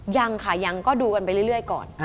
ยังค่ะยังก็ดูกันไปเรื่อยก่อน